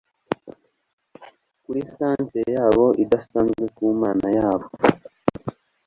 Kuri centre yabo idasanzwe ku Mana yabo